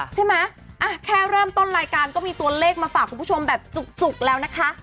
ใช่ไหมแค่เริ่มต้นรายการก็มีตัวเลขมาฝากคุณผู้ชมแบบจุกแล้วนะคะ